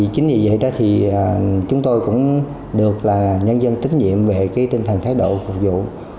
chính vì vậy chúng tôi cũng được nhân dân tính nhiệm về tinh thần thái độ phục vụ